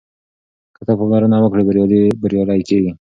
که ته پاملرنه وکړې بریالی کېږې.